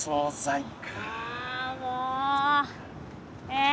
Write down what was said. え？